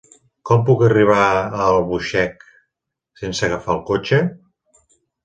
Com puc arribar a Albuixec sense agafar el cotxe?